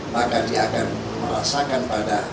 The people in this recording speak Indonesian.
maka dia akan merasakan pada